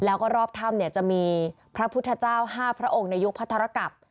แล้วก็รอบถ้ำเนี่ยจะมีพระพุทธเจ้า๕พระองค์ในยุคพระธรกับ